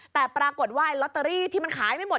แต่ปรากฏว่าลอตเตอรี่ที่มันขายไม่หมด